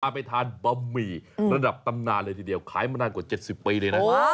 ไปทานบะหมี่ระดับตำนานเลยทีเดียวขายมานานกว่า๗๐ปีเลยนะ